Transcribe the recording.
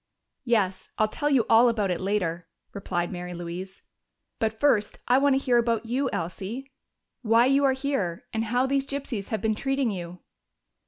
"Yes, I'll tell you all about it later," replied Mary Louise. "But first I want to hear about you, Elsie: why you are here, and how these gypsies have been treating you."